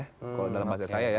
kalau dalam bahasa saya ya